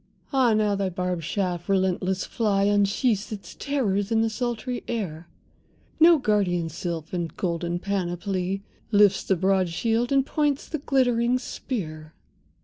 —Ah now thy barbed shaft, relentless fly, Unsheaths its terrors in the sultry air! No guardian sylph, in golden panoply, Lifts the broad shield, and points the glittering spear.